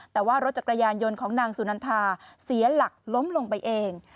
แต่ว่ารถจักรยานยนต์ของนางสุนันทาเสียหลักล้มลงไปเอง